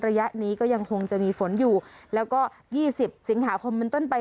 ระยะนี้ก็ยังคงจะมีฝนอยู่แล้วก็๒๐สิงหาคมเป็นต้นไป